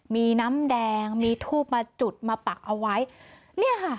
มีน้ำแดงมีทูบมาจุดมาปักเอาไว้เนี่ยค่ะ